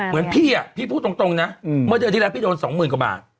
เหมือนพี่พี่พูดตรงนะเมื่อเดือนที่แล้วพี่โดน๒๐๐๐กว่าบาท